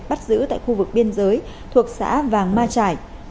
bắt giữ tại khu vực biên giới thuộc xã vàng ma trải